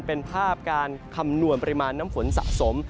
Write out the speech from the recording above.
เป็นภาพการคำนวณปริมาณน้ำฝนสะสม